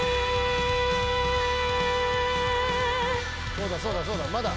そうだそうだそうだまだ。